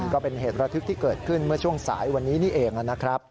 ก็เป็นเหตุระทึกที่เกิดขึ้นเมื่อช่วงสายวันนี้นี่เองนะครับ